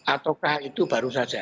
ataukah itu baru saja